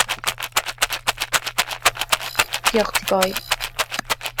Diolch ti boi.